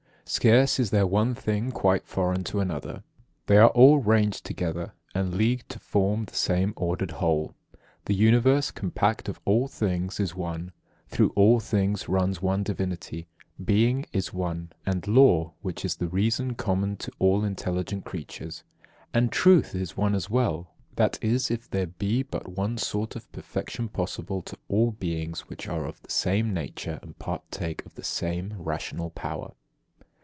Scarce is there one thing quite foreign to another. They are all ranged together, and leagued to form the same ordered whole. The Universe, compact of all things, is one; through all things runs one divinity; being is one; and law, which is the reason common to all intelligent creatures; and truth is one as well, that is if there be but one sort of perfection possible to all beings which are of the same nature and partake of the same rational power.